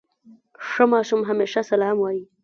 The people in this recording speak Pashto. ښه ماشوم همېشه سلام وايي.